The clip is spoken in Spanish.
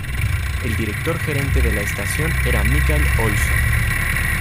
El director gerente de la estación era Mikael Olsson.